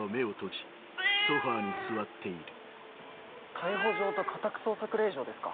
逮捕状と家宅捜索令状ですか？